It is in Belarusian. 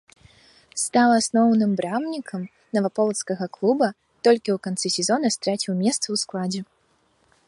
Стаў асноўным брамнікам наваполацкага клуба, толькі ў канцы сезона страціў месца ў складзе.